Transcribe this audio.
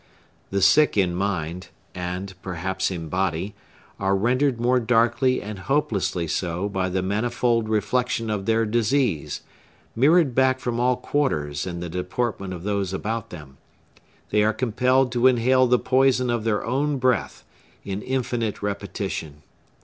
The sick in mind, and, perhaps, in body, are rendered more darkly and hopelessly so by the manifold reflection of their disease, mirrored back from all quarters in the deportment of those about them; they are compelled to inhale the poison of their own breath, in infinite repetition.